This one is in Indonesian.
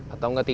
atau enggak tiga